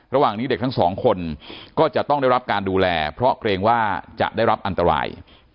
ระหว่างนี้เด็กทั้งสองคนก็จะต้องได้รับการดูแลเพราะเกรงว่าจะได้รับอันตราย